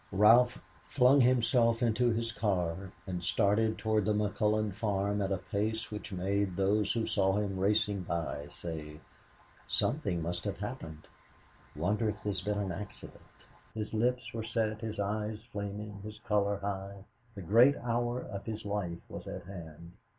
Ralph flung himself into his car, and started toward the McCullon farm at a pace which made those who saw him racing by say: "Something must have happened. Wonder if there's been an accident." His lips were set, his eyes flaming, his color high, the great hour of his life was at hand.